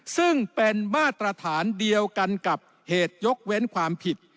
ซึ่งเป็นมาตรฐานเดียวกันกับเหตุยกเว้นความผิด